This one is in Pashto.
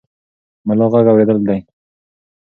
ملا غږ اورېدلی دی.